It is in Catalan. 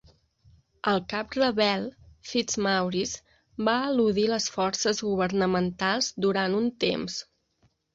El cap rebel, Fitzmaurice, va eludir les forces governamentals durant un temps.